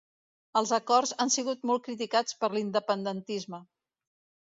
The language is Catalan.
Els acords han sigut molt criticats per l'independentisme